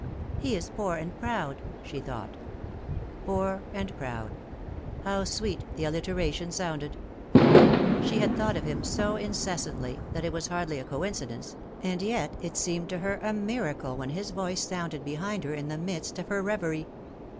" He is poor and proud," she thought. Poor and proud. How sweet the alliteration sounded ! She had thought of him so incessantly that it was hardly a coincidence, and yet it seemed to her a miracle when his voice sounded behind her in the midst of her reverie.